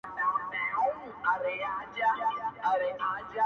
زر کلونه څه مستی څه خمار یووړل،